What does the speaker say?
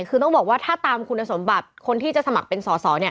คือต้องบอกว่าถ้าตามคุณสมบัติคนที่จะสมัครเป็นสอสอเนี่ย